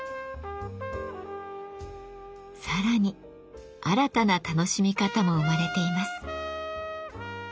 さらに新たな楽しみ方も生まれています。